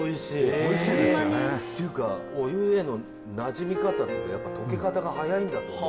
っていうかお湯へのなじみ方っていうか溶け方が早いんだと思う。